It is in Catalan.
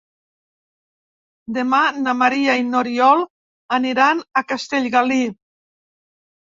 Demà na Maria i n'Oriol aniran a Castellgalí.